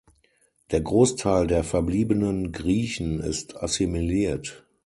Der Großteil der verbliebenen Griechen ist assimiliert.